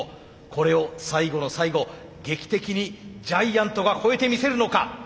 これを最後の最後劇的にジャイアントが超えてみせるのか？